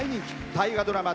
大河ドラマ